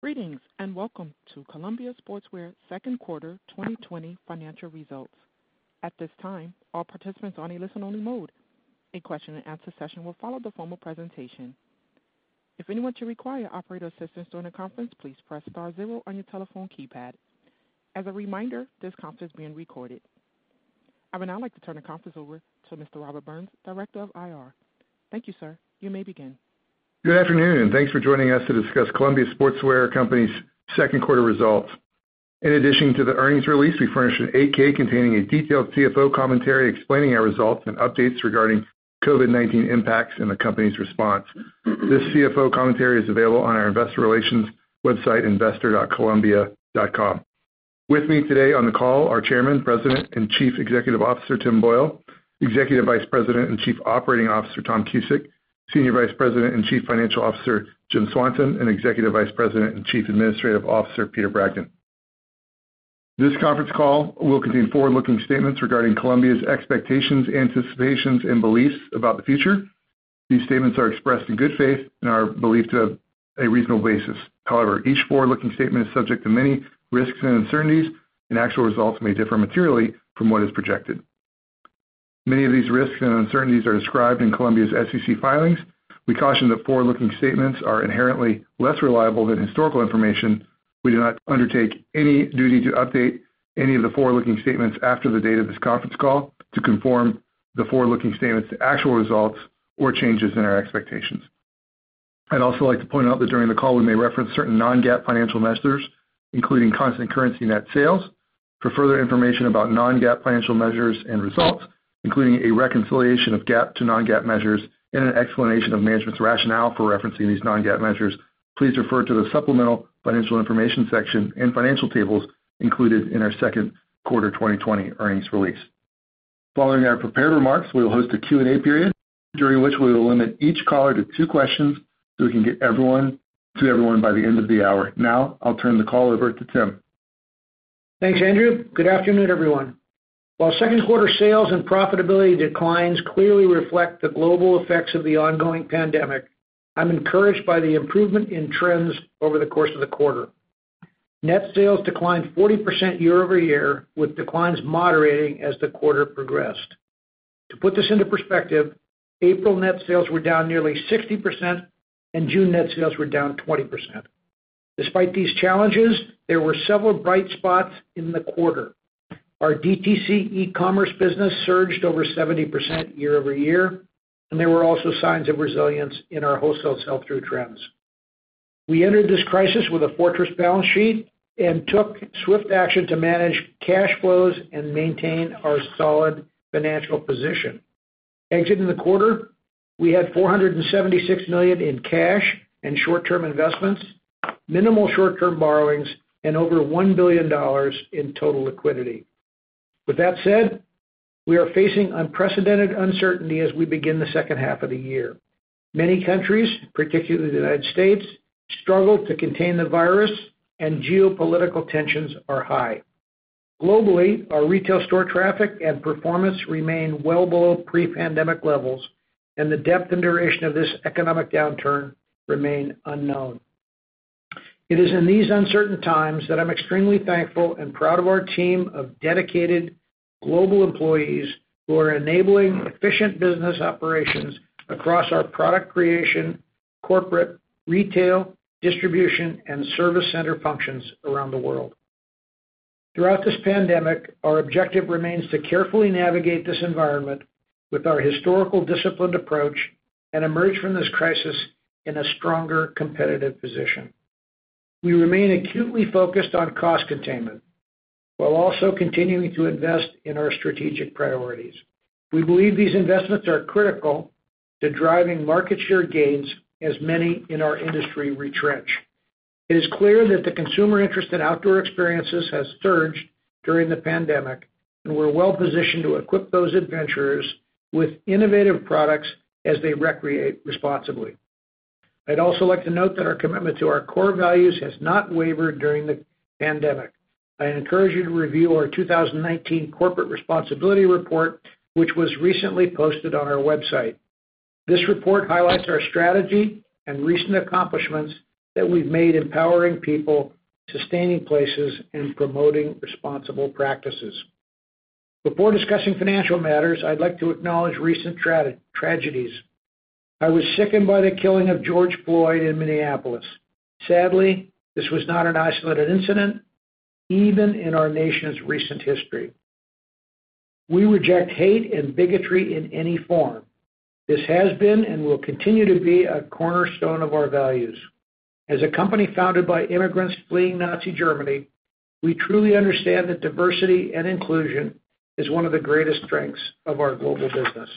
Greetings, and welcome to Columbia Sportswear second quarter 2020 financial results. At this time, all participants are in a listen-only mode. A question and answer session will follow the formal presentation. If anyone should require operator assistance during the conference, please press star zero on your telephone keypad. As a reminder, this call is being recorded. I would now like to turn the conference over to Mr. Andrew Burns, Director of IR. Thank you, sir. You may begin. Good afternoon. Thanks for joining us to discuss Columbia Sportswear Company's second quarter results. In addition to the earnings release, we furnished an 8-K containing a detailed CFO commentary explaining our results and updates regarding COVID-19 impacts and the company's response. This CFO commentary is available on our investor relations website, investor.columbia.com. With me today on the call are Chairman, President and Chief Executive Officer, Tim Boyle, Executive Vice President and Chief Operating Officer, Tom Cusick, Senior Vice President and Chief Financial Officer, Jim Swanson, and Executive Vice President and Chief Administrative Officer, Peter Bragdon. This conference call will contain forward-looking statements regarding Columbia's expectations, anticipations, and beliefs about the future. These statements are expressed in good faith and are believed to have a reasonable basis. However, each forward-looking statement is subject to many risks and uncertainties, and actual results may differ materially from what is projected. Many of these risks and uncertainties are described in Columbia's SEC filings. We caution that forward-looking statements are inherently less reliable than historical information. We do not undertake any duty to update any of the forward-looking statements after the date of this conference call to conform the forward-looking statements to actual results or changes in our expectations. I'd also like to point out that during the call, we may reference certain non-GAAP financial measures, including constant currency net sales. For further information about non-GAAP financial measures and results, including a reconciliation of GAAP to non-GAAP measures and an explanation of management's rationale for referencing these non-GAAP measures, please refer to the supplemental financial information section and financial tables included in our second quarter 2020 earnings release. Following our prepared remarks, we will host a Q&A period, during which we will limit each caller to two questions so we can get to everyone by the end of the hour. Now, I'll turn the call over to Tim. Thanks, Andrew. Good afternoon, everyone. While second quarter sales and profitability declines clearly reflect the global effects of the ongoing pandemic, I'm encouraged by the improvement in trends over the course of the quarter. Net sales declined 40% year-over-year, with declines moderating as the quarter progressed. To put this into perspective, April net sales were down nearly 60%, and June net sales were down 20%. Despite these challenges, there were several bright spots in the quarter. Our DTC e-commerce business surged over 70% year-over-year, and there were also signs of resilience in our wholesale sell-through trends. We entered this crisis with a fortress balance sheet and took swift action to manage cash flows and maintain our solid financial position. Exiting the quarter, we had $476 million in cash and short-term investments, minimal short-term borrowings, and over $1 billion in total liquidity. With that said, we are facing unprecedented uncertainty as we begin the second half of the year. Many countries, particularly the United States, struggle to contain the virus, and geopolitical tensions are high. Globally, our retail store traffic and performance remain well below pre-pandemic levels, and the depth and duration of this economic downturn remain unknown. It is in these uncertain times that I'm extremely thankful and proud of our team of dedicated global employees who are enabling efficient business operations across our product creation, corporate, retail, distribution, and service center functions around the world. Throughout this pandemic, our objective remains to carefully navigate this environment with our historical disciplined approach and emerge from this crisis in a stronger competitive position. We remain acutely focused on cost containment while also continuing to invest in our strategic priorities. We believe these investments are critical to driving market share gains as many in our industry retrench. It is clear that the consumer interest in outdoor experiences has surged during the pandemic, and we're well-positioned to equip those adventurers with innovative products as they recreate responsibly. I'd also like to note that our commitment to our core values has not wavered during the pandemic. I encourage you to review our 2019 corporate responsibility report, which was recently posted on our website. This report highlights our strategy and recent accomplishments that we've made empowering people, sustaining places, and promoting responsible practices. Before discussing financial matters, I'd like to acknowledge recent tragedies. I was sickened by the killing of George Floyd in Minneapolis. Sadly, this was not an isolated incident, even in our nation's recent history. We reject hate and bigotry in any form. This has been and will continue to be a cornerstone of our values. As a company founded by immigrants fleeing Nazi Germany, we truly understand that diversity and inclusion is one of the greatest strengths of our global business.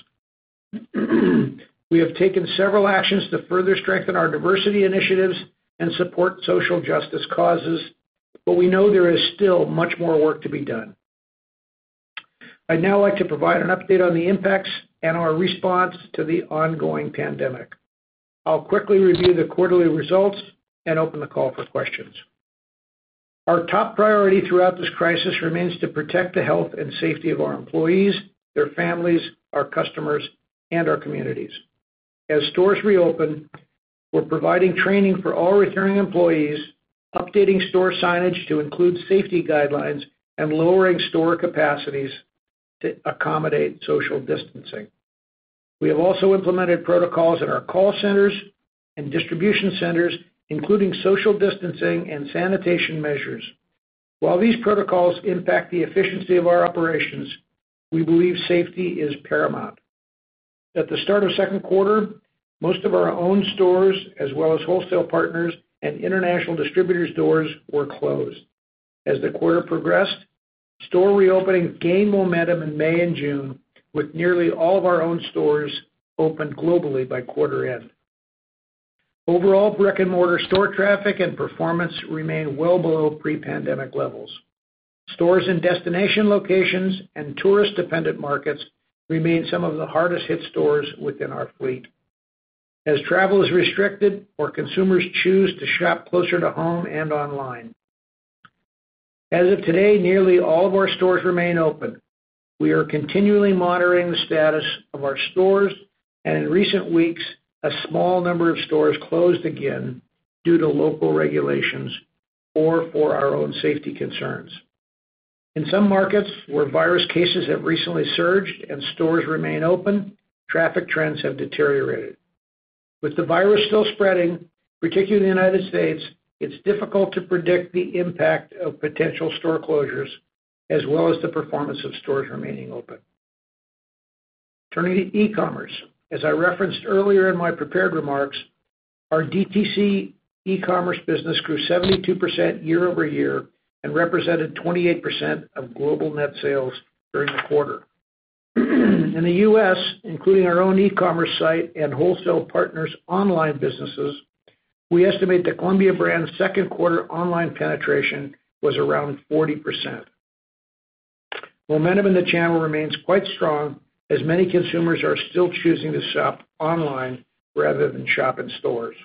We have taken several actions to further strengthen our diversity initiatives and support social justice causes, but we know there is still much more work to be done. I'd now like to provide an update on the impacts and our response to the ongoing pandemic. I'll quickly review the quarterly results and open the call for questions. Our top priority throughout this crisis remains to protect the health and safety of our employees, their families, our customers, and our communities. As stores reopen, we're providing training for all returning employees, updating store signage to include safety guidelines, and lowering store capacities to accommodate social distancing. We have also implemented protocols in our call centers and distribution centers, including social distancing and sanitation measures. While these protocols impact the efficiency of our operations, we believe safety is paramount. At the start of second quarter, most of our own stores, as well as wholesale partners and international distributors stores, were closed. As the quarter progressed, store reopening gained momentum in May and June, with nearly all of our own stores opened globally by quarter end. Overall, brick-and-mortar store traffic and performance remain well below pre-pandemic levels. Stores in destination locations and tourist-dependent markets remain some of the hardest hit stores within our fleet, as travel is restricted or consumers choose to shop closer to home and online. As of today, nearly all of our stores remain open. We are continually monitoring the status of our stores, and in recent weeks, a small number of stores closed again due to local regulations or for our own safety concerns. In some markets where virus cases have recently surged and stores remain open, traffic trends have deteriorated. With the virus still spreading, particularly in the United States, it's difficult to predict the impact of potential store closures, as well as the performance of stores remaining open. Turning to e-commerce. As I referenced earlier in my prepared remarks, our DTC e-commerce business grew 72% year-over-year and represented 28% of global net sales during the quarter. In the U.S., including our own e-commerce site and wholesale partners' online businesses, we estimate that Columbia brand's second quarter online penetration was around 40%. Momentum in the channel remains quite strong as many consumers are still choosing to shop online rather than shop in stores.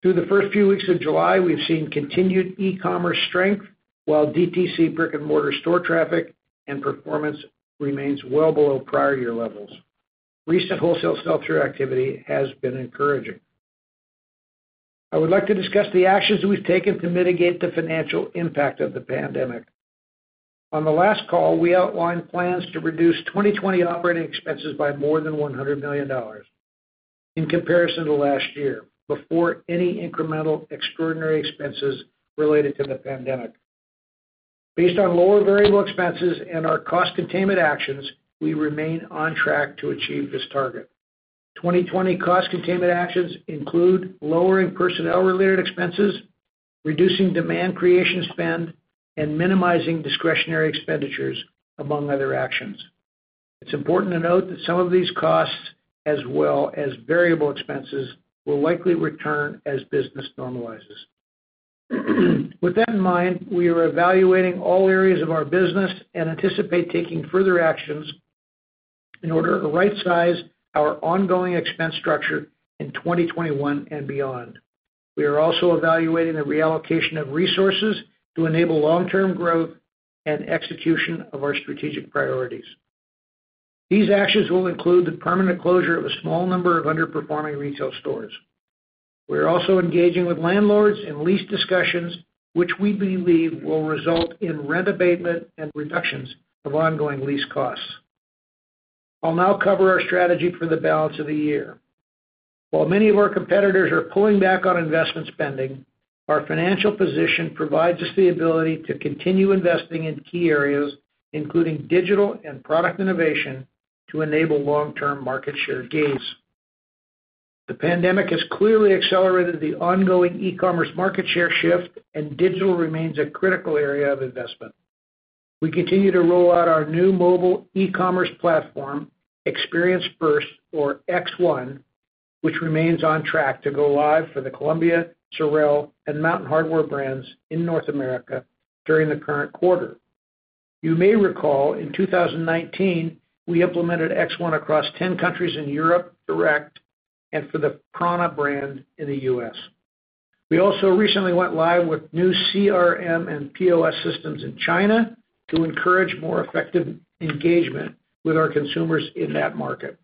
Through the first few weeks of July, we've seen continued e-commerce strength, while DTC brick-and-mortar store traffic and performance remains well below prior year levels. Recent wholesale sell-through activity has been encouraging. I would like to discuss the actions we've taken to mitigate the financial impact of the pandemic. On the last call, we outlined plans to reduce 2020 operating expenses by more than $100 million in comparison to last year before any incremental extraordinary expenses related to the pandemic. Based on lower variable expenses and our cost containment actions, we remain on track to achieve this target. 2020 cost containment actions include lowering personnel-related expenses, reducing demand creation spend, and minimizing discretionary expenditures, among other actions. It's important to note that some of these costs, as well as variable expenses, will likely return as business normalizes. With that in mind, we are evaluating all areas of our business and anticipate taking further actions in order to right size our ongoing expense structure in 2021 and beyond. We are also evaluating the reallocation of resources to enable long-term growth and execution of our strategic priorities. These actions will include the permanent closure of a small number of underperforming retail stores. We are also engaging with landlords in lease discussions, which we believe will result in rent abatement and reductions of ongoing lease costs. I'll now cover our strategy for the balance of the year. While many of our competitors are pulling back on investment spending, our financial position provides us the ability to continue investing in key areas, including digital and product innovation, to enable long-term market share gains. The pandemic has clearly accelerated the ongoing e-commerce market share shift, and digital remains a critical area of investment. We continue to roll out our new mobile e-commerce platform, Experience First, or X1, which remains on track to go live for the Columbia, SOREL, and Mountain Hardwear brands in North America during the current quarter. You may recall, in 2019, we implemented X1 across 10 countries in Europe direct and for the prAna brand in the U.S. We also recently went live with new CRM and POS systems in China to encourage more effective engagement with our consumers in that market.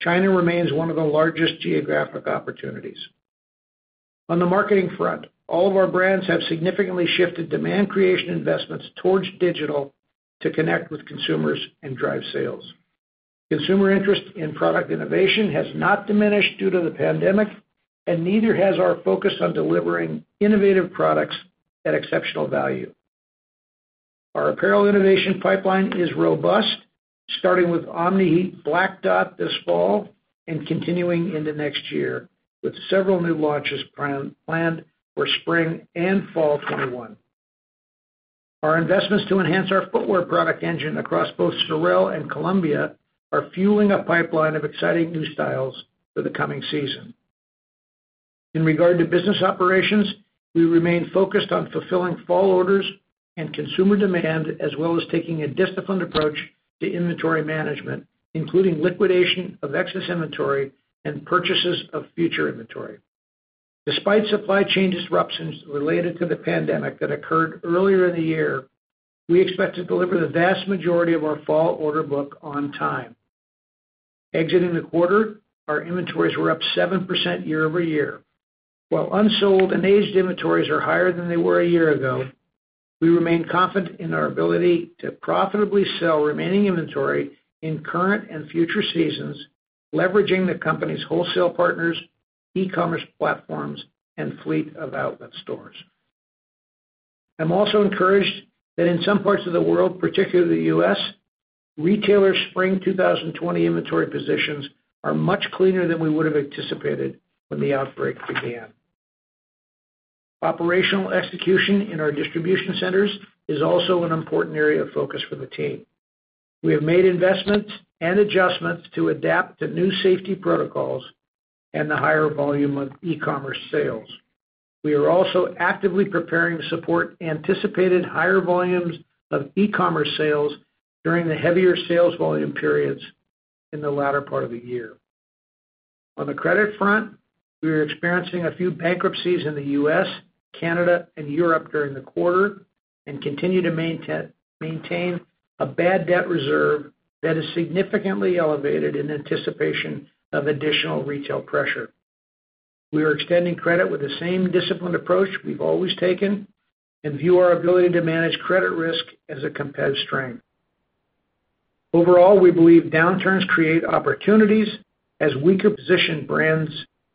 China remains one of the largest geographic opportunities. On the marketing front, all of our brands have significantly shifted demand creation investments towards digital to connect with consumers and drive sales. Consumer interest in product innovation has not diminished due to the pandemic, and neither has our focus on delivering innovative products at exceptional value. Our apparel innovation pipeline is robust, starting with Omni-Heat Black Dot this fall and continuing into next year, with several new launches planned for spring and fall 2021. Our investments to enhance our footwear product engine across both SOREL and Columbia are fueling a pipeline of exciting new styles for the coming season. In regard to business operations, we remain focused on fulfilling fall orders and consumer demand, as well as taking a disciplined approach to inventory management, including liquidation of excess inventory and purchases of future inventory. Despite supply chain disruptions related to the pandemic that occurred earlier in the year, we expect to deliver the vast majority of our fall order book on time. Exiting the quarter, our inventories were up 7% year-over-year. While unsold and aged inventories are higher than they were a year ago, we remain confident in our ability to profitably sell remaining inventory in current and future seasons, leveraging the company's wholesale partners, e-commerce platforms, and fleet of outlet stores. I'm also encouraged that in some parts of the world, particularly the U.S., retailers' spring 2020 inventory positions are much cleaner than we would have anticipated when the outbreak began. Operational execution in our distribution centers is also an important area of focus for the team. We have made investments and adjustments to adapt to new safety protocols and the higher volume of e-commerce sales. We are also actively preparing to support anticipated higher volumes of e-commerce sales during the heavier sales volume periods in the latter part of the year. On the credit front, we are experiencing a few bankruptcies in the U.S., Canada, and Europe during the quarter, and continue to maintain a bad debt reserve that is significantly elevated in anticipation of additional retail pressure. We are extending credit with the same disciplined approach we've always taken and view our ability to manage credit risk as a competitive strength. Overall, we believe downturns create opportunities as weaker positioned brands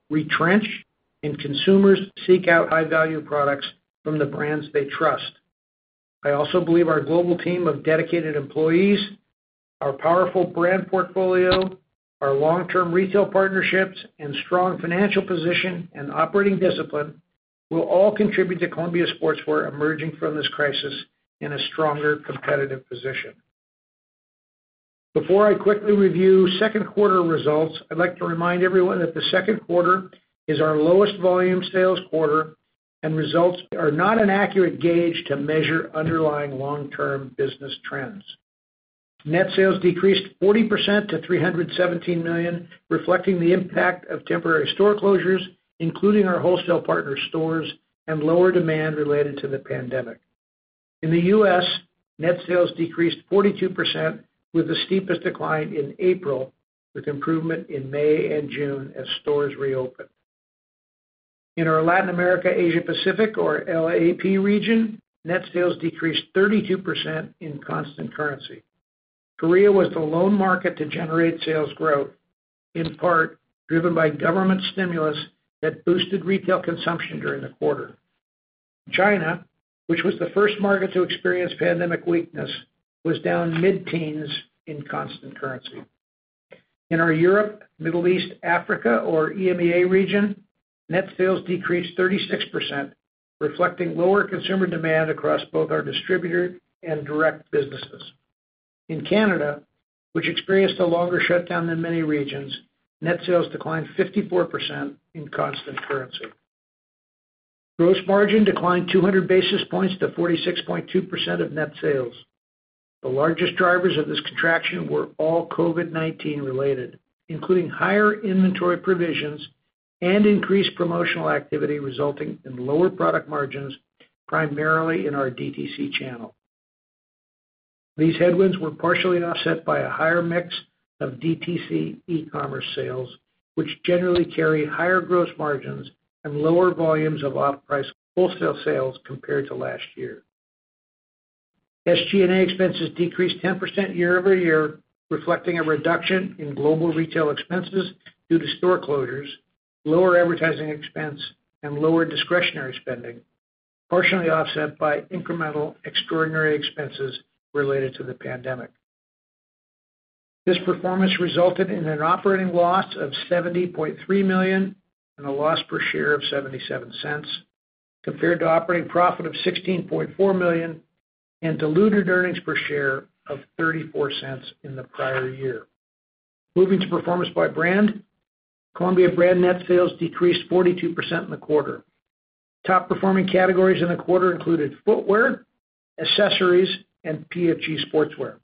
retrench and consumers seek out high-value products from the brands they trust. I also believe our global team of dedicated employees, our powerful brand portfolio, our long-term retail partnerships, and strong financial position and operating discipline will all contribute to Columbia Sportswear emerging from this crisis in a stronger competitive position. Before I quickly review second quarter results, I'd like to remind everyone that the second quarter is our lowest volume sales quarter and results are not an accurate gauge to measure underlying long-term business trends. Net sales decreased 40% to $317 million, reflecting the impact of temporary store closures, including our wholesale partner stores and lower demand related to the pandemic. In the U.S., net sales decreased 42% with the steepest decline in April, with improvement in May and June as stores reopened. In our Latin America, Asia Pacific or LAAP region, net sales decreased 32% in constant currency. Korea was the lone market to generate sales growth, in part driven by government stimulus that boosted retail consumption during the quarter. China, which was the first market to experience pandemic weakness, was down mid-teens in constant currency. In our Europe, Middle East, Africa, or EMEA region, net sales decreased 36%, reflecting lower consumer demand across both our distributor and direct businesses. In Canada, which experienced a longer shutdown than many regions, net sales declined 54% in constant currency. Gross margin declined 200 basis points to 46.2% of net sales. The largest drivers of this contraction were all COVID-19 related, including higher inventory provisions and increased promotional activity resulting in lower product margins, primarily in our DTC channel. These headwinds were partially offset by a higher mix of DTC e-commerce sales, which generally carry higher gross margins and lower volumes of off-price wholesale sales compared to last year. SG&A expenses decreased 10% year-over-year, reflecting a reduction in global retail expenses due to store closures, lower advertising expense, and lower discretionary spending, partially offset by incremental extraordinary expenses related to the pandemic. This performance resulted in an operating loss of $70.3 million and a loss per share of $0.77, compared to operating profit of $16.4 million and diluted earnings per share of $0.34 in the prior year. Moving to performance by brand, Columbia brand net sales decreased 42% in the quarter. Top-performing categories in the quarter included footwear, accessories, and PFG sportswear.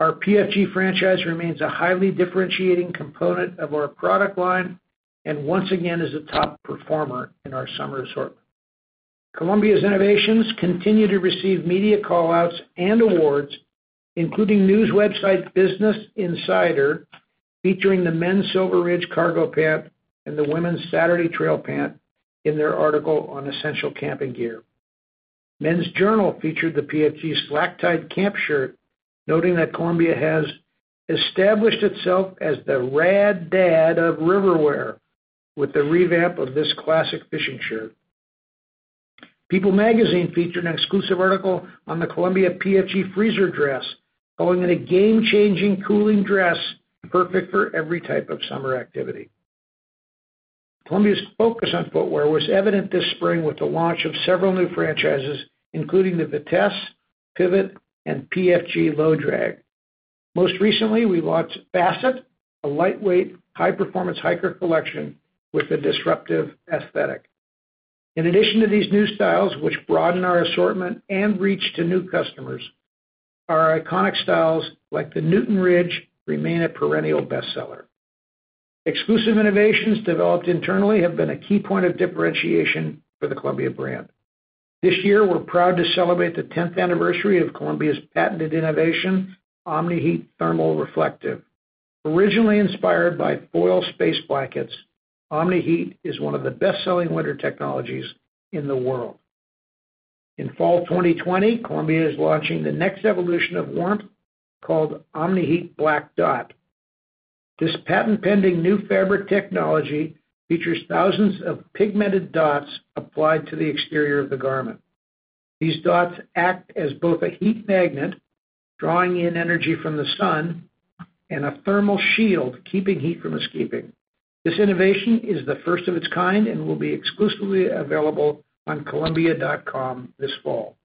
Our PFG franchise remains a highly differentiating component of our product line and once again is a top performer in our summer assortment. Columbia's innovations continue to receive media call-outs and awards, including news website Business Insider featuring the Men's Silver Ridge cargo pant and the Women's Saturday Trail pant in their article on essential camping gear. Men's Journal featured the PFG Slack Tide Camp Shirt, noting that Columbia has established itself as the rad dad of river wear with the revamp of this classic fishing shirt. People Magazine featured an exclusive article on the Columbia PFG Freezer dress, calling it a game-changing cooling dress perfect for every type of summer activity. Columbia's focus on footwear was evident this spring with the launch of several new franchises, including the Vitesse, Pivot, and PFG Low Drag. Most recently, we launched Facet, a lightweight, high-performance hiker collection with a disruptive aesthetic. In addition to these new styles, which broaden our assortment and reach to new customers, our iconic styles like the Newton Ridge remain a perennial best-seller. Exclusive innovations developed internally have been a key point of differentiation for the Columbia brand. This year, we're proud to celebrate the 10th anniversary of Columbia's patented innovation, Omni-Heat Reflective. Originally inspired by foil space blankets, Omni-Heat is one of the best-selling winter technologies in the world. In fall 2020, Columbia is launching the next evolution of warmth called Omni-Heat Black Dot. This patent-pending new fabric technology features thousands of pigmented dots applied to the exterior of the garment. These dots act as both a heat magnet, drawing in energy from the sun, and a thermal shield, keeping heat from escaping. This innovation is the first of its kind and will be exclusively available on columbia.com this fall.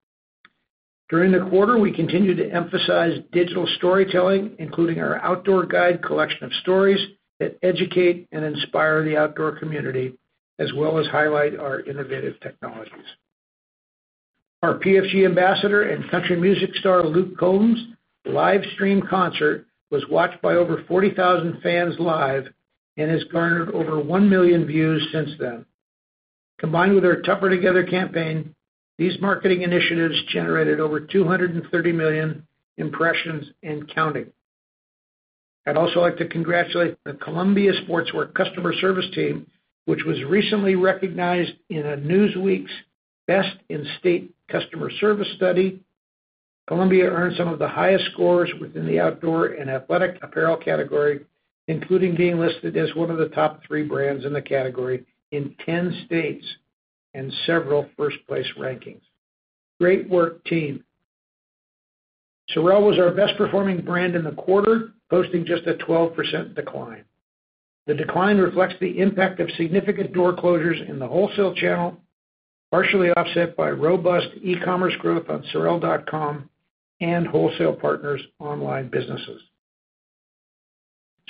During the quarter, we continued to emphasize digital storytelling, including our outdoor guide collection of stories that educate and inspire the outdoor community as well as highlight our innovative technologies. Our PFG ambassador and country music star Luke Combs' live stream concert was watched by over 40,000 fans live and has garnered over 1 million views since then. Combined with our Tougher Together campaign, these marketing initiatives generated over 230 million impressions and counting. I'd also like to congratulate the Columbia Sportswear customer service team, which was recently recognized in a Newsweek's Best in State customer service study. Columbia earned some of the highest scores within the outdoor and athletic apparel category, including being listed as one of the top three brands in the category in 10 states and several first-place rankings. Great work, team. SOREL was our best-performing brand in the quarter, posting just a 12% decline. The decline reflects the impact of significant door closures in the wholesale channel, partially offset by robust e-commerce growth on sorel.com and wholesale partners' online businesses.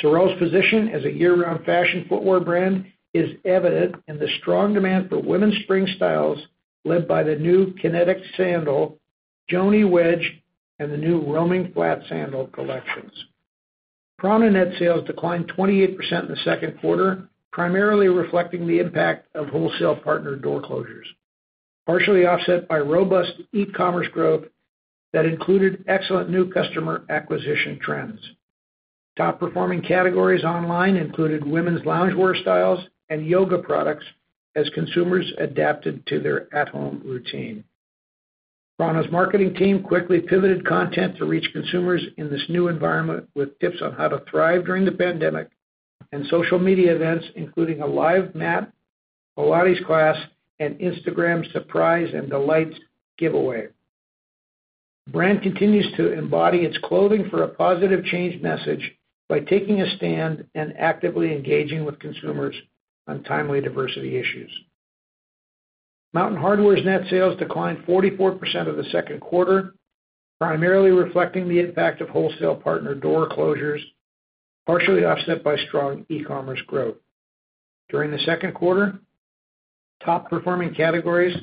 SOREL's position as a year-round fashion footwear brand is evident in the strong demand for women's spring styles, led by the new Kinetic sandal, Joanie wedge, and the new Roaming flat sandal collections. prAna net sales declined 28% in the second quarter, primarily reflecting the impact of wholesale partner door closures, partially offset by robust e-commerce growth that included excellent new customer acquisition trends. Top-performing categories online included women's loungewear styles and yoga products as consumers adapted to their at-home routine. prAna's marketing team quickly pivoted content to reach consumers in this new environment with tips on how to thrive during the pandemic and social media events, including a live mat Pilates class and Instagram surprise and delight giveaway. The brand continues to embody its clothing for a positive change message by taking a stand and actively engaging with consumers on timely diversity issues. Mountain Hardwear's net sales declined 44% in the second quarter, primarily reflecting the impact of wholesale partner door closures, partially offset by strong e-commerce growth. During the second quarter, top-performing categories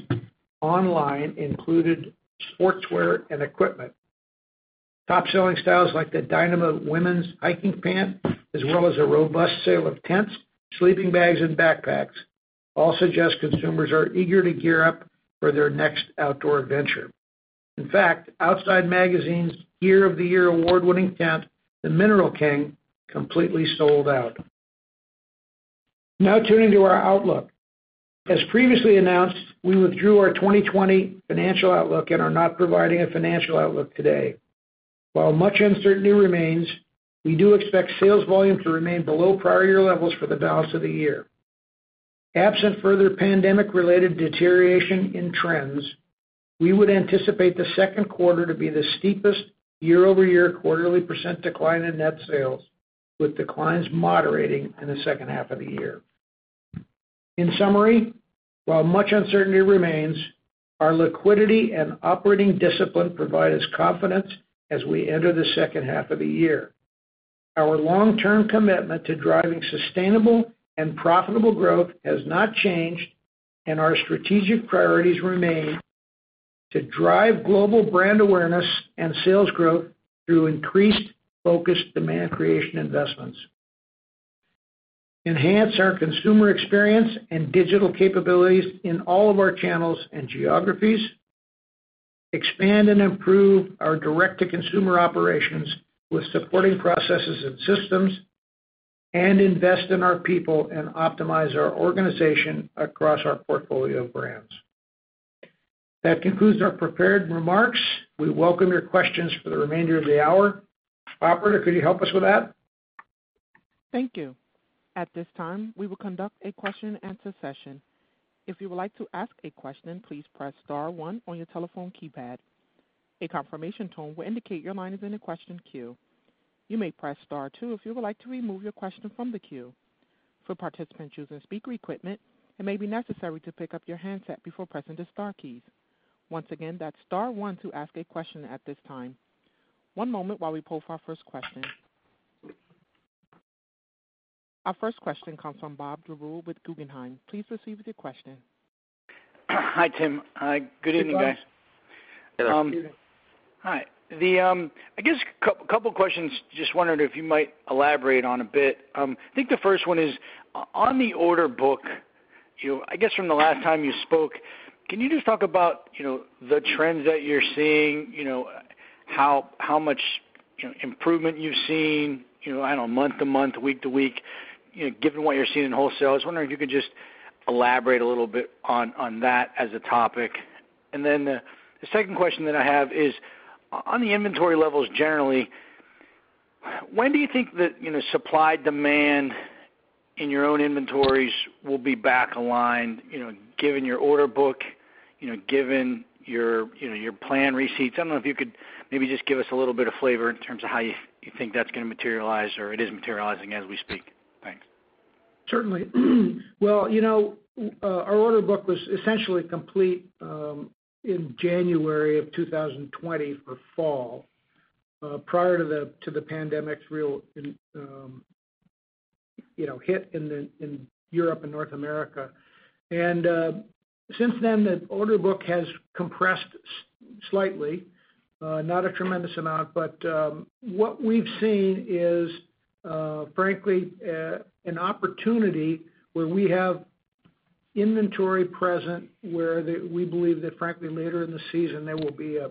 online included sportswear and equipment. Top-selling styles like the Dynama women's hiking pant as well as a robust sale of tents, sleeping bags, and backpacks all suggest consumers are eager to gear up for their next outdoor adventure. In fact, Outside Magazine's Gear of the Year award-winning tent, the Mineral King, completely sold out. Now turning to our outlook. As previously announced, we withdrew our 2020 financial outlook and are not providing a financial outlook today. While much uncertainty remains, we do expect sales volume to remain below prior year levels for the balance of the year. Absent further pandemic-related deterioration in trends, we would anticipate the second quarter to be the steepest year-over-year quarterly percent decline in net sales, with declines moderating in the second half of the year. In summary, while much uncertainty remains, our liquidity and operating discipline provide us confidence as we enter the second half of the year. Our long-term commitment to driving sustainable and profitable growth has not changed, and our strategic priorities remain to drive global brand awareness and sales growth through increased, focused demand creation investments, enhance our consumer experience and digital capabilities in all of our channels and geographies, expand and improve our direct-to-consumer operations with supporting processes and systems, and invest in our people and optimize our organization across our portfolio of brands. That concludes our prepared remarks. We welcome your questions for the remainder of the hour. Operator, could you help us with that? Thank you. At this time, we will conduct a question and answer session. If you would like to ask a question, please press star one on your telephone keypad. A confirmation tone will indicate your line is in a question queue. You may press star two if you would like to remove your question from the queue. For participants using speaker equipment, it may be necessary to pick up your handset before pressing the star keys. Once again, that's star one to ask a question at this time. One moment while we poll for our first question. Our first question comes from Bob Drbul with Guggenheim. Please proceed with your question. Hi, Tim. Hi. Good evening, guys. Good evening. Hi. I guess a couple of questions, just wondering if you might elaborate on a bit. I think the first one is, on the order book, I guess from the last time you spoke, can you just talk about the trends that you're seeing, how much improvement you've seen, I don't know, month to month, week to week, given what you're seeing in wholesale. I was wondering if you could just elaborate a little bit on that as a topic. The second question that I have is, on the inventory levels generally, when do you think that supply-demand in your own inventories will be back aligned, given your order book, given your plan receipts? I don't know if you could maybe just give us a little bit of flavor in terms of how you think that's going to materialize or it is materializing as we speak. Thanks. Certainly. Well, our order book was essentially complete in January of 2020 for fall, prior to the pandemic's real hit in Europe and North America. Since then, the order book has compressed slightly. Not a tremendous amount, but what we've seen is frankly, an opportunity where we have inventory present where we believe that frankly, later in the season, there will be a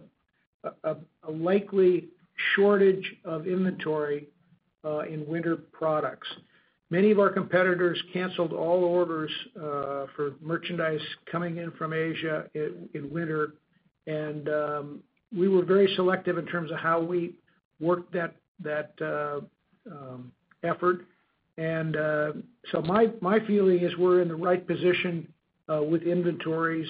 likely shortage of inventory in winter products. Many of our competitors canceled all orders for merchandise coming in from Asia in winter, and we were very selective in terms of how we worked that effort. My feeling is we're in the right position with inventories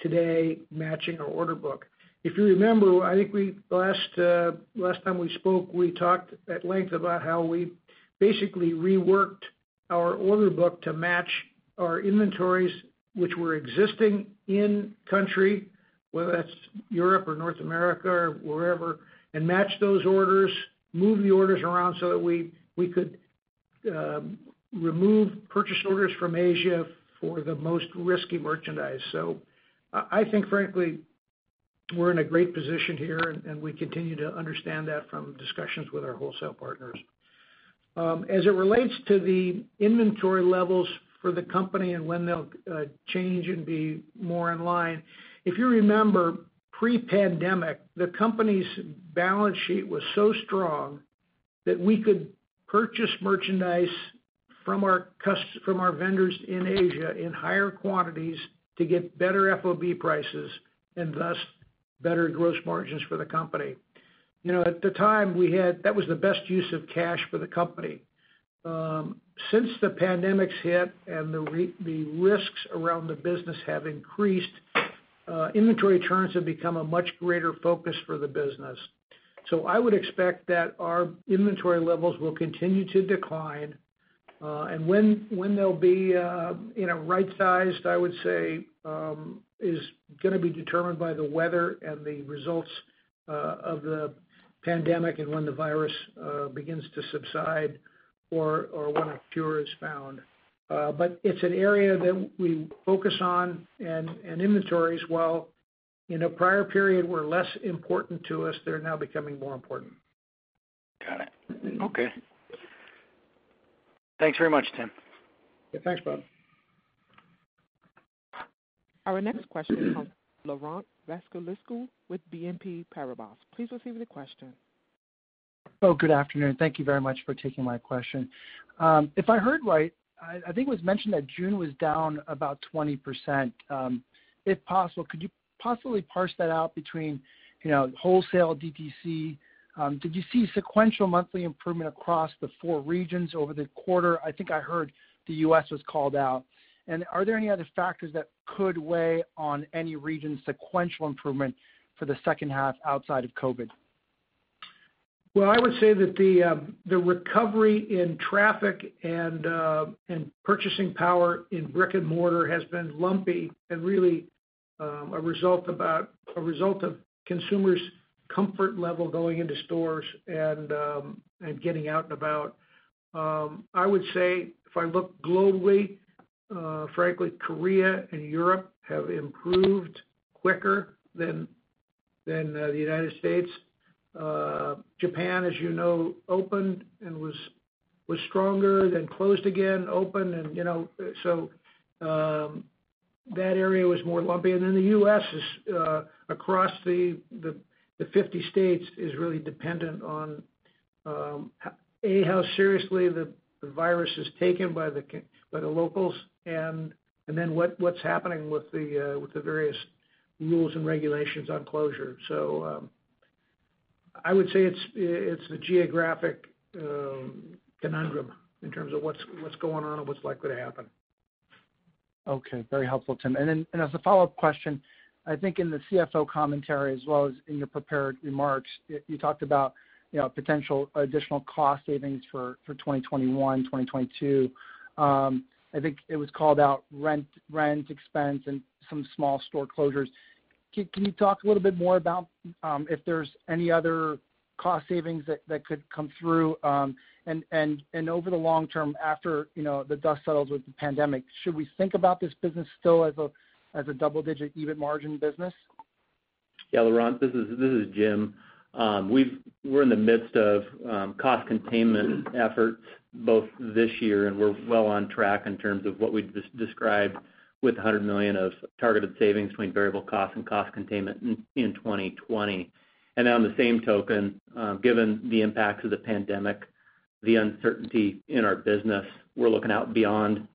today matching our order book. If you remember, I think the last time we spoke, we talked at length about how we basically reworked our order book to match our inventories, which were existing in country, whether that's Europe or North America or wherever, and match those orders, move the orders around so that we could remove purchase orders from Asia for the most risky merchandise. I think, frankly, we're in a great position here, and we continue to understand that from discussions with our wholesale partners. It relates to the inventory levels for the company and when they'll change and be more in line, if you remember, pre-pandemic, the company's balance sheet was so strong that we could purchase merchandise from our vendors in Asia in higher quantities to get better FOB prices and thus better gross margins for the company. At the time, that was the best use of cash for the company. Since the pandemic's hit and the risks around the business have increased, inventory turns have become a much greater focus for the business. I would expect that our inventory levels will continue to decline. When they'll be right-sized, I would say, is going to be determined by the weather and the results of the pandemic and when the virus begins to subside or when a cure is found. It's an area that we focus on and inventories while in a prior period were less important to us, they're now becoming more important. Got it. Okay. Thanks very much, Tim. Yeah. Thanks, Bob. Our next question comes from Laurent Vasilescu with BNP Paribas. Please proceed with your question. Good afternoon. Thank you very much for taking my question. If I heard right, I think it was mentioned that June was down about 20%. If possible, could you possibly parse that out between wholesale DTC? Did you see sequential monthly improvement across the four regions over the quarter? I think I heard the U.S. was called out. Are there any other factors that could weigh on any region sequential improvement for the second half outside of COVID? Well, I would say that the recovery in traffic and purchasing power in brick and mortar has been lumpy and really a result of consumers' comfort level going into stores and getting out and about. I would say if I look globally, frankly, Korea and Europe have improved quicker than the U.S. Japan, as you know, opened and was stronger, then closed again, opened. That area was more lumpy. The U.S. across the 50 states is really dependent on, A, how seriously the virus is taken by the locals and then what's happening with the various rules and regulations on closure. I would say it's a geographic conundrum in terms of what's going on and what's likely to happen. Okay. Very helpful, Tim. Then as a follow-up question, I think in the CFO commentary as well as in your prepared remarks, you talked about potential additional cost savings for 2021, 2022. I think it was called out rent expense and some small store closures. Can you talk a little bit more about if there's any other cost savings that could come through? Over the long term, after the dust settles with the pandemic, should we think about this business still as a double-digit EBIT margin business? Yeah, Laurent, this is Jim. We're in the midst of cost containment efforts both this year, and we're well on track in terms of what we described with $100 million of targeted savings between variable costs and cost containment in 2020. On the same token, given the impacts of the pandemic, the uncertainty in our business, we're looking out beyond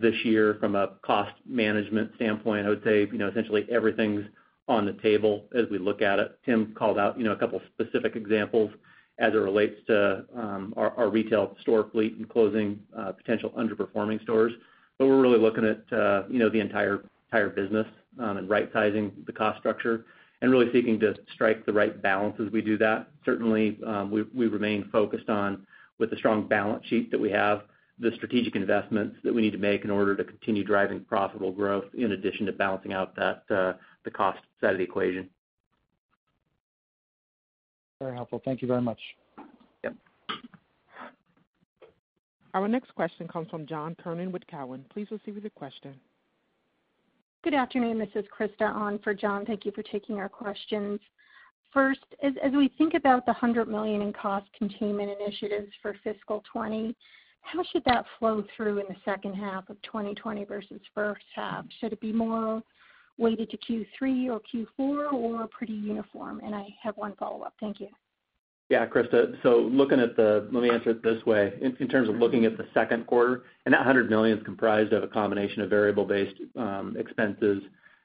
this year from a cost management standpoint. I would say, essentially everything's on the table as we look at it. Tim called out a couple of specific examples as it relates to our retail store fleet and closing potential underperforming stores. We're really looking at the entire business and right-sizing the cost structure and really seeking to strike the right balance as we do that. Certainly, we remain focused on with the strong balance sheet that we have, the strategic investments that we need to make in order to continue driving profitable growth in addition to balancing out the cost side of the equation. Very helpful. Thank you very much. Yep. Our next question comes from John Kernan with Cowen. Please proceed with your question. Good afternoon. This is Krista on for John. Thank you for taking our questions. First, as we think about the $100 million in cost containment initiatives for fiscal 2020, how should that flow through in the second half of 2020 versus first half? Should it be more weighted to Q3 or Q4 or pretty uniform? I have one follow-up. Thank you. Krista. Let me answer it this way. In terms of looking at the second quarter, that $100 million is comprised of a combination of variable-based expenses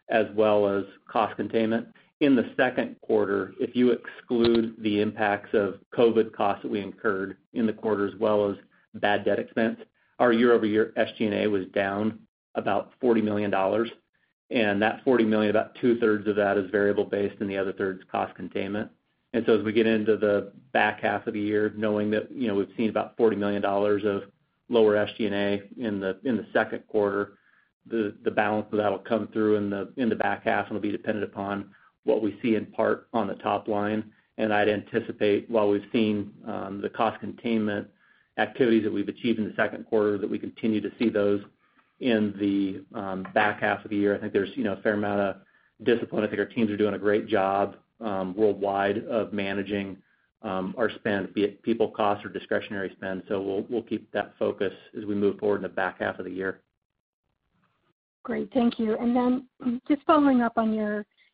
as well as cost containment. In the second quarter, if you exclude the impacts of COVID costs that we incurred in the quarter as well as bad debt expense, our year-over-year SG&A was down about $40 million. That $40 million, about two-thirds of that is variable based and the other third's cost containment. As we get into the back half of the year, knowing that we've seen about $40 million of lower SG&A in the second quarter, the balance of that will come through in the back half. It'll be dependent upon what we see in part on the top line. I'd anticipate while we've seen the cost containment activities that we've achieved in the second quarter, that we continue to see those in the back half of the year. I think there's a fair amount of discipline. I think our teams are doing a great job worldwide of managing our spend, be it people cost or discretionary spend. We'll keep that focus as we move forward in the back half of the year. Great. Thank you. Just following up on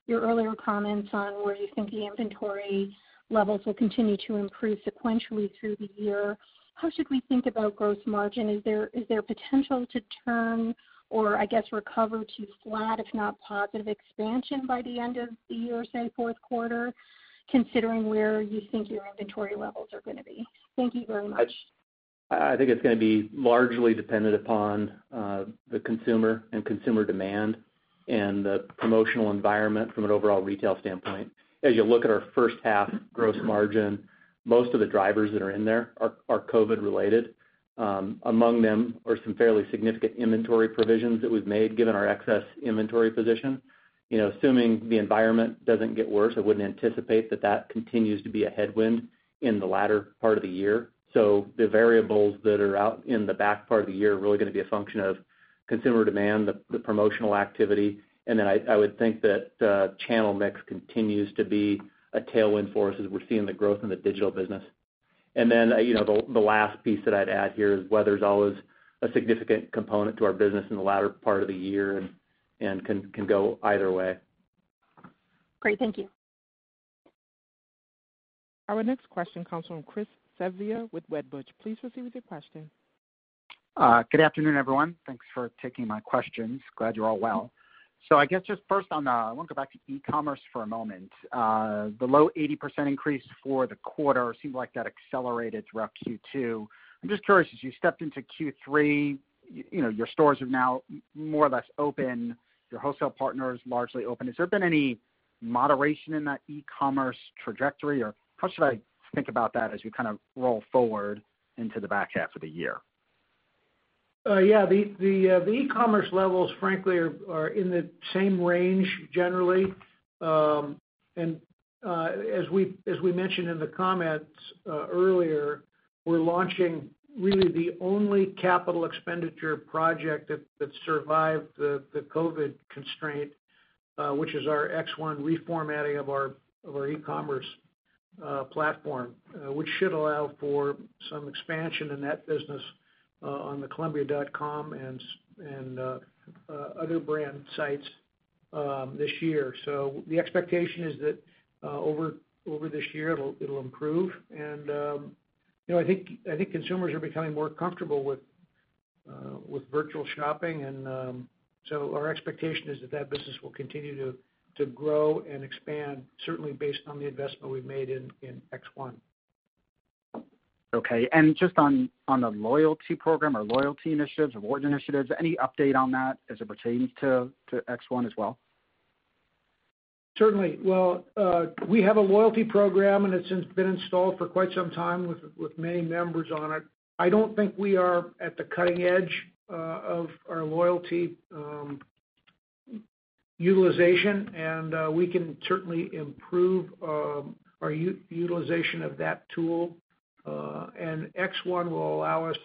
your earlier comments on where you think the inventory levels will continue to improve sequentially through the year, how should we think about gross margin? Is there potential to turn or, I guess, recover to flat, if not positive expansion by the end of the year, say, fourth quarter, considering where you think your inventory levels are going to be? Thank you very much. I think it's going to be largely dependent upon the consumer and consumer demand and the promotional environment from an overall retail standpoint. As you look at our first half gross margin, most of the drivers that are in there are COVID related. Among them are some fairly significant inventory provisions that we've made given our excess inventory position. Assuming the environment doesn't get worse, I wouldn't anticipate that that continues to be a headwind in the latter part of the year. The variables that are out in the back part of the year are really going to be a function of consumer demand, the promotional activity, and then I would think that channel mix continues to be a tailwind for us as we're seeing the growth in the digital business. The last piece that I'd add here is weather's always a significant component to our business in the latter part of the year and can go either way. Great. Thank you. Our next question comes from Chris Svezia with Wedbush. Please proceed with your question. Good afternoon, everyone. Thanks for taking my questions. Glad you're all well. I guess just first I want to go back to e-commerce for a moment. The low 80% increase for the quarter seemed like that accelerated throughout Q2. I'm just curious, as you stepped into Q3, your stores are now more or less open, your wholesale partners largely open. Has there been any moderation in that e-commerce trajectory? How should I think about that as we roll forward into the back half of the year? Yeah. The e-commerce levels, frankly, are in the same range generally. As we mentioned in the comments earlier, we're launching really the only capital expenditure project that survived the COVID-19 constraint, which is our X1 reformatting of our e-commerce platform which should allow for some expansion in that business on the columbia.com and other brand sites this year. The expectation is that over this year, it'll improve. I think consumers are becoming more comfortable with virtual shopping, and so our expectation is that that business will continue to grow and expand, certainly based on the investment we've made in X1. Okay. Just on the loyalty program or loyalty initiatives, rewards initiatives, any update on that as it pertains to X1 as well? Certainly. Well, we have a loyalty program, and it's been installed for quite some time with many members on it. I don't think we are at the cutting edge of our loyalty utilization, and we can certainly improve our utilization of that tool. X1 will allow us,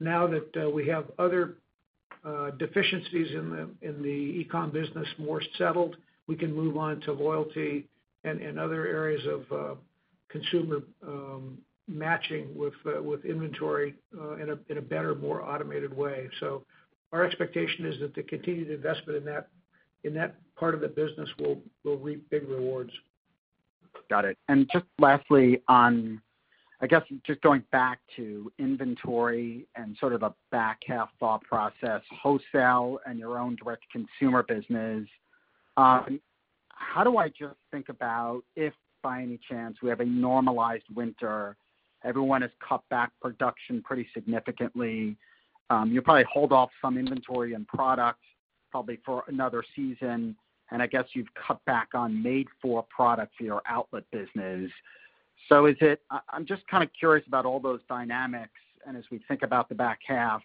now that we have other deficiencies in the e-com business more settled, we can move on to loyalty and other areas of consumer matching with inventory in a better, more automated way. Our expectation is that the continued investment in that part of the business will reap big rewards. Got it. Just lastly on, I guess, just going back to inventory and sort of a back half thought process, wholesale and your own direct-to-consumer business, how do I just think about if, by any chance, we have a normalized winter, everyone has cut back production pretty significantly, you'll probably hold off some inventory and product probably for another season, I guess you've cut back on made-for products for your outlet business? I'm just kind of curious about all those dynamics. As we think about the back half,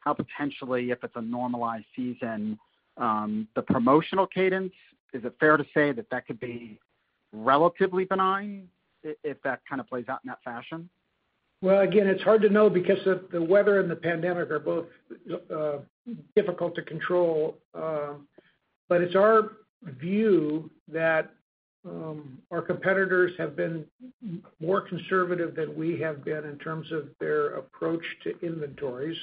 how potentially, if it's a normalized season, the promotional cadence, is it fair to say that that could be relatively benign if that kind of plays out in that fashion? Again, it's hard to know because the weather and the pandemic are both difficult to control. It's our view that our competitors have been more conservative than we have been in terms of their approach to inventories.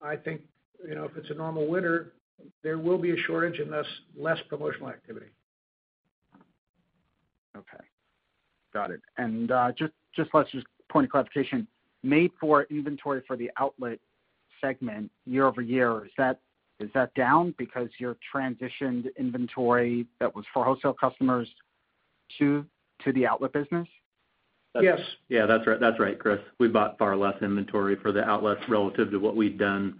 I think, if it's a normal winter, there will be a shortage and thus less promotional activity. Okay. Got it. Just last point of clarification. Made-for inventory for the outlet segment year-over-year, is that down because you transitioned inventory that was for wholesale customers to the outlet business? Yes. Yeah. That's right, Chris. We bought far less inventory for the outlets relative to what we'd done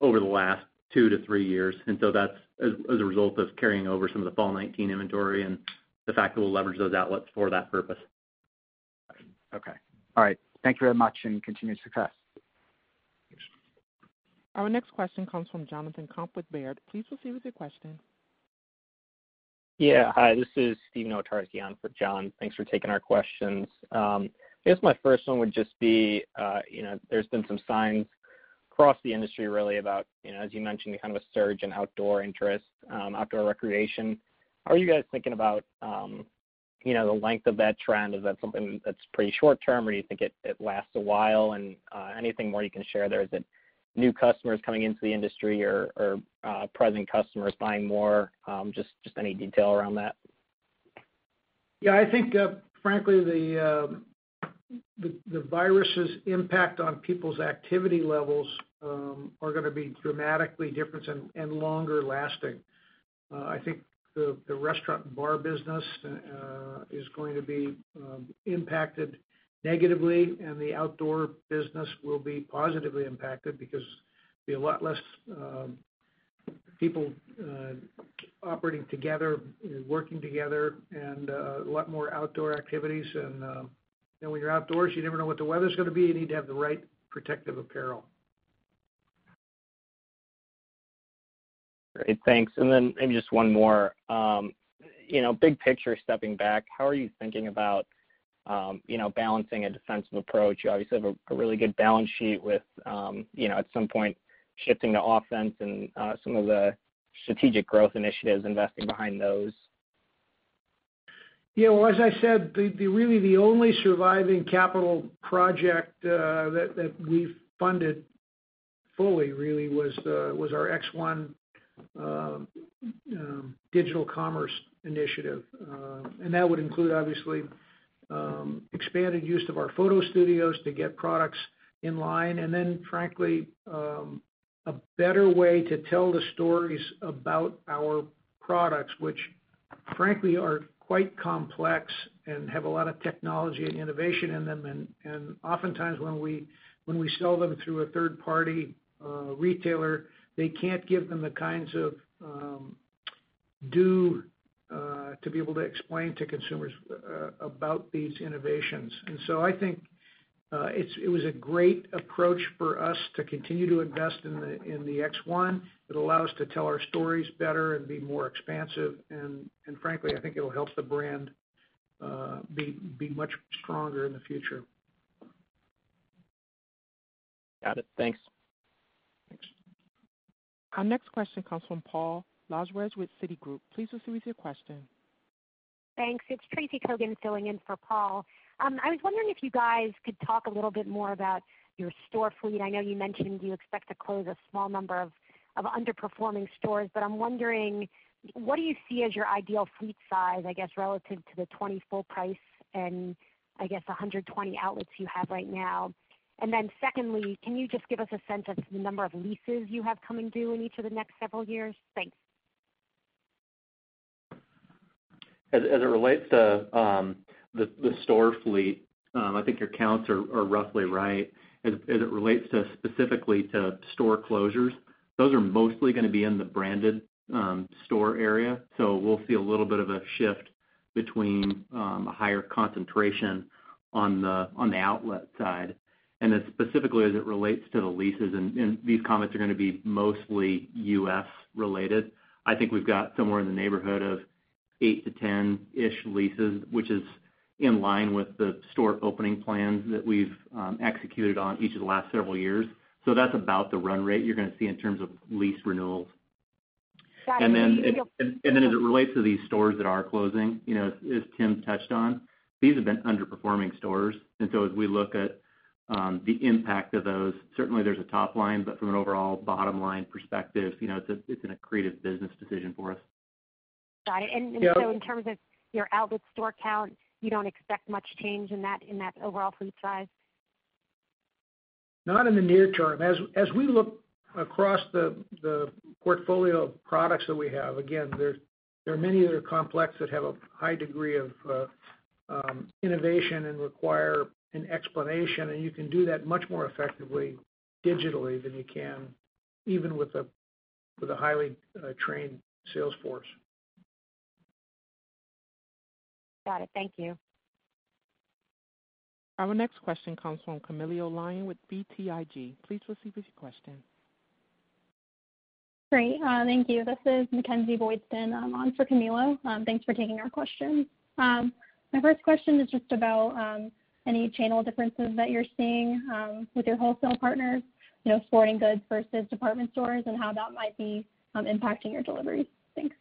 over the last two to three years. That's as a result of carrying over some of the fall 2019 inventory and the fact that we'll leverage those outlets for that purpose. Okay. All right. Thank you very much, and continued success. Thanks. Our next question comes from Jonathan Komp with Baird. Please proceed with your question. Yeah. Hi, this is Steve Nowotarski on for John. Thanks for taking our questions. I guess my first one would just be, there's been some signs across the industry really about, as you mentioned, kind of a surge in outdoor interest, outdoor recreation. How are you guys thinking about the length of that trend? Is that something that's pretty short-term, or do you think it lasts a while? Anything more you can share there? Is it new customers coming into the industry or present customers buying more? Just any detail around that. Yeah, I think, frankly, the virus's impact on people's activity levels are gonna be dramatically different and longer lasting. I think the restaurant and bar business is going to be impacted negatively, and the outdoor business will be positively impacted because there'll be a lot less people operating together, working together, and a lot more outdoor activities. When you're outdoors, you never know what the weather's gonna be. You need to have the right protective apparel. Great. Thanks. Maybe just one more. Big picture, stepping back, how are you thinking about balancing a defensive approach? You obviously have a really good balance sheet with at some point shifting to offense and some of the strategic growth initiatives, investing behind those. Yeah. Well, as I said, really the only surviving capital project that we've funded fully really was our X1 digital commerce initiative. That would include, obviously, expanded use of our photo studios to get products in line. Frankly, a better way to tell the stories about our products, which frankly are quite complex and have a lot of technology and innovation in them. Oftentimes when we sell them through a third-party retailer, they can't give them the kinds of due to be able to explain to consumers about these innovations. I think it was a great approach for us to continue to invest in the X1. It allows us to tell our stories better and be more expansive. Frankly, I think it'll help the brand be much stronger in the future. Got it. Thanks. Thanks. Our next question comes from Paul Lejuez with Citigroup. Please proceed with your question. Thanks. It's Tracy Kogan filling in for Paul. I was wondering if you guys could talk a little bit more about your store fleet. I know you mentioned you expect to close a small number of underperforming stores, but I'm wondering, what do you see as your ideal fleet size, I guess, relative to the 20 full price and, I guess, 120 outlets you have right now? Secondly, can you just give us a sense of the number of leases you have coming due in each of the next several years? Thanks. As it relates to the store fleet, I think your counts are roughly right. As it relates specifically to store closures, those are mostly going to be in the branded store area. We'll see a little bit of a shift between a higher concentration on the outlet side and specifically as it relates to the leases, and these comments are going to be mostly U.S. related. I think we've got somewhere in the neighborhood of eight to 10-ish leases, which is in line with the store opening plans that we've executed on each of the last several years. That's about the run rate you're going to see in terms of lease renewals. Got it. As it relates to these stores that are closing, as Tim touched on, these have been underperforming stores. As we look at the impact of those, certainly there's a top line, but from an overall bottom-line perspective, it's an accretive business decision for us. Got it. Yeah. In terms of your outlet store count, you don't expect much change in that overall fleet size? Not in the near term. As we look across the portfolio of products that we have, again, there are many that are complex that have a high degree of innovation and require an explanation, and you can do that much more effectively digitally than you can even with a highly trained sales force. Got it. Thank you. Our next question comes from Camilo Lyon with BTIG. Please proceed with your question. Great. Thank you. This is Mackenzie Boydston. I'm on for Camilo. Thanks for taking our question. My first question is just about any channel differences that you're seeing with your wholesale partners, sporting goods versus department stores, and how that might be impacting your deliveries. Thanks.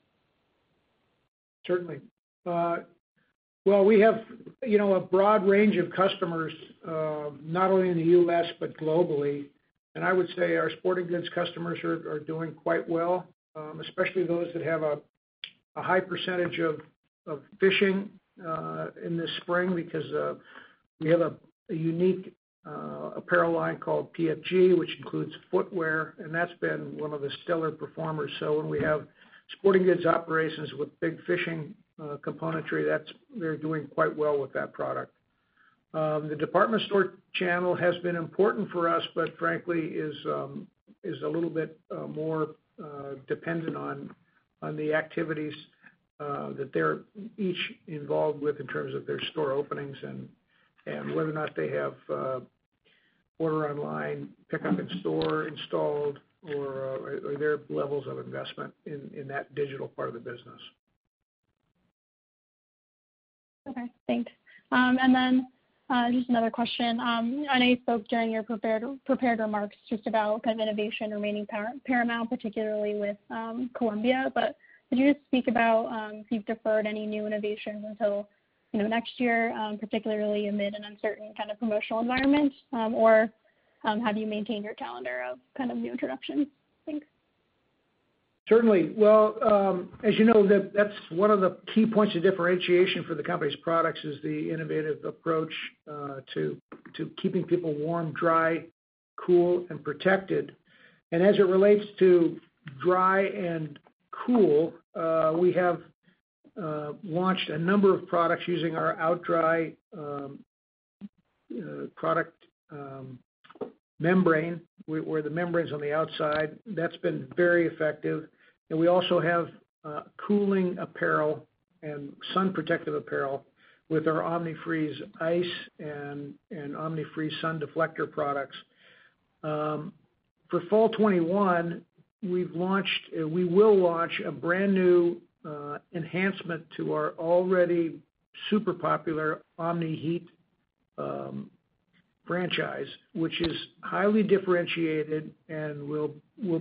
Certainly. Well, we have a broad range of customers, not only in the U.S. but globally. I would say our sporting goods customers are doing quite well, especially those that have a high percentage of fishing in the spring because we have a unique apparel line called PFG, which includes footwear, and that's been one of the stellar performers. When we have sporting goods operations with big fishing componentry, they're doing quite well with that product. The department store channel has been important for us, frankly, is a little bit more dependent on the activities that they're each involved with in terms of their store openings and whether or not they have order online pickup in store installed or their levels of investment in that digital part of the business. Okay, thanks. Just another question. I know you spoke during your prepared remarks just about innovation remaining paramount, particularly with Columbia, but could you just speak about if you've deferred any new innovations until next year, particularly amid an uncertain kind of promotional environment? Have you maintained your calendar of new introductions? Thanks. Certainly. Well as you know, that's one of the key points of differentiation for the company's products is the innovative approach to keeping people warm, dry, cool, and protected. As it relates to dry and cool, we have launched a number of products using our OutDry, where the membrane's on the outside. That's been very effective. We also have cooling apparel and sun protective apparel with our Omni-Freeze ZERO Ice and Omni-Shade Sun Deflector products. For fall 2021, we will launch a brand-new enhancement to our already super popular Omni-Heat franchise, which is highly differentiated and will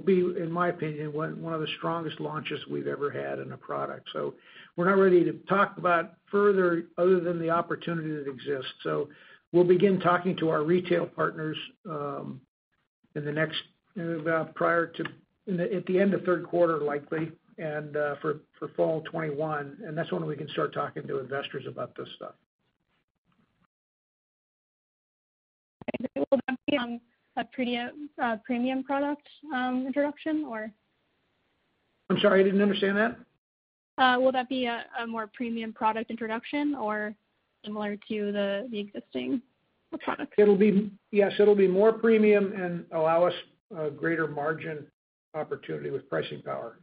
be, in my opinion, one of the strongest launches we've ever had in a product. We're not ready to talk about further, other than the opportunity that exists. We'll begin talking to our retail partners at the end of third quarter likely, and for fall 2021, and that's when we can start talking to investors about this stuff. Okay. Will that be a premium product introduction or? I'm sorry, I didn't understand that. Will that be a more premium product introduction or similar to the existing products? Yes, it'll be more premium and allow us a greater margin opportunity with pricing power.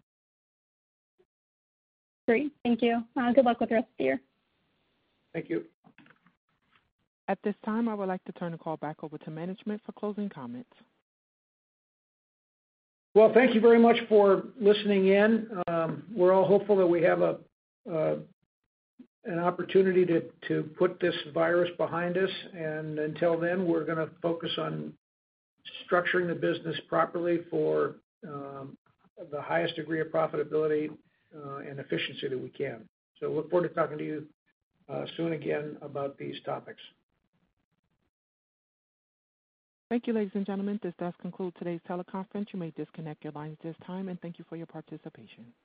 Great. Thank you. Good luck with the rest of your year. Thank you. At this time, I would like to turn the call back over to management for closing comments. Well, thank you very much for listening in. We're all hopeful that we have an opportunity to put this virus behind us. Until then, we're going to focus on structuring the business properly for the highest degree of profitability and efficiency that we can. Look forward to talking to you soon again about these topics. Thank you, ladies and gentlemen. This does conclude today's teleconference. You may disconnect your lines at this time, and thank you for your participation.